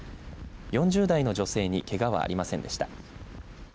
４０代の女性にけがはありませんでした。